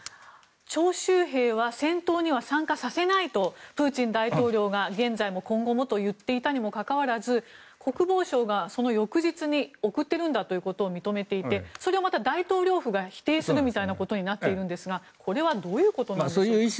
徴集兵は戦闘には参加させないとプーチン大統領が現在も今後もと言っていたにもかかわらず国防省がその翌日に送っているんだということを認めていてそれをまた大統領府が否定するみたいなことになっているんですがこれはどういうことなんでしょうか。